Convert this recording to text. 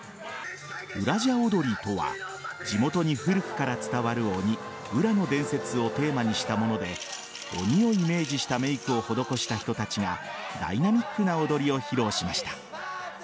うらじゃ踊りとは地元に古くから伝わる鬼温羅の伝説をテーマにしたもので鬼をイメージしたメイクを施した人たちがダイナミックな踊りを披露しました。